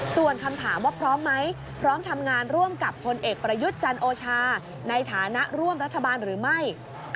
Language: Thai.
ส่วนคำถามว่าพร้อมไหมพร้อมทำงานร่วมกับพลเอกประยุทธ์จันโอชาในฐานะร่วมรัฐบาลหรือไม่